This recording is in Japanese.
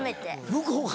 向こうが？